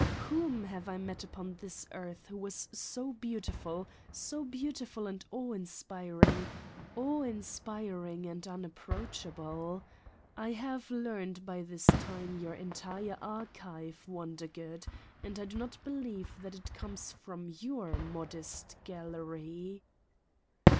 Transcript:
Whom have I met upon this earth who was so beautiful so beautiful and awe inspiring awe inspiring and unapproachable. I have learned by this time your entire archive, Wondergood, and I do not believe that it comes from your modest gallery!